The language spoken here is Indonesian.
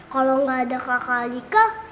kalau nggak ada kakak nikah